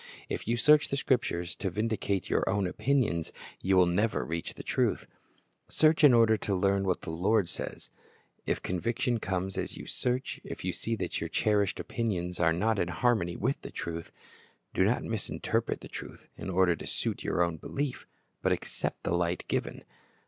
If you search the Scriptures to vindicate your own opinions, you will never reach the truth. Search in order to learn what the Lord says. If conviction comes as you search, if you see that your cherished opinions are not in harmony with the truth, do not misinterpret the truth in order to suit your own belief, but accept the light given.